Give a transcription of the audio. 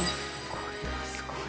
これはすごい。